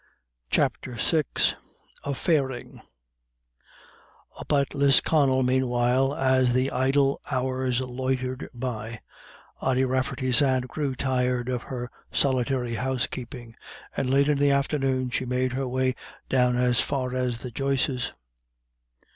CHAPTER VI A FAIRING Up at Lisconnel, meanwhile, as the idle hours loitered by, Ody Rafferty's aunt grew tired of her solitary housekeeping, and late in the afternoon she made her way down as far as the Joyces'.